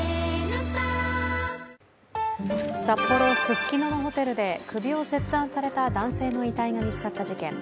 札幌・ススキノのホテルで首を切断された男性の遺体が見つかった事件。